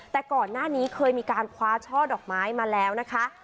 แต่ก่อนหน้านี้เคยมีการคว้าช่อดอกไม้มาแล้วนะคะ